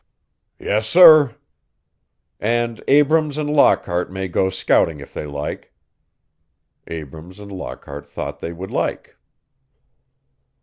"Yes, sir." "And Abrams and Lockhart may go scouting if they like." Abrams and Lockhart thought they would like.